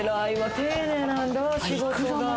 丁寧なんだわ、仕事が。